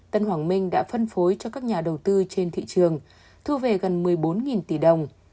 tân hoàng minh đã phân phối cho các nhà đầu tư trên thị trường thu về gần một mươi bốn tỷ đồng